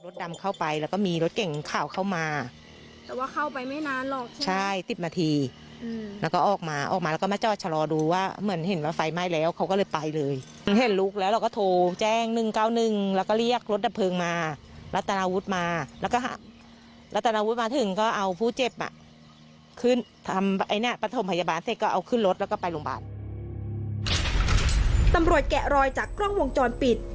แกะรอยจากกล้องวงจรปิด